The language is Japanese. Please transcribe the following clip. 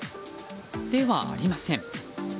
ではありません。